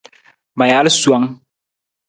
Ma jaal suwang.